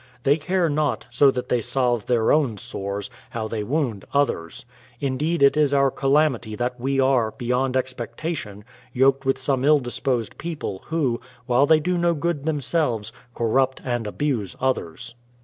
They care not, so that they salve their own sores, how they wound others. Indeed it is our calamity that we are, beyond expectation, yoked with some ill disposed people, who, while they do no good themselves, corrupt and abuse others.